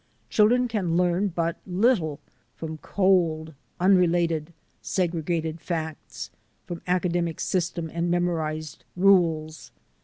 Chil dren can learn but little from cold, unrelated, segregated facts; from academic system and memo rized rules.